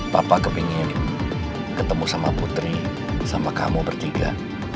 papa kepingin ketemu sama putri sama kamu bertiga